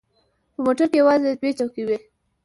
په موټر کې یوازې دوې چوکۍ وې.